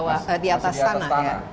masih di atas tanah